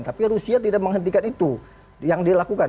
tapi rusia tidak menghentikan itu yang dilakukan